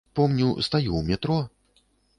Помню, стаю ў метро.